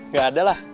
gak ada lah